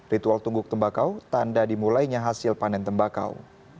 ritual tungguk tembakau tanda dimulainya hasil panen tembakau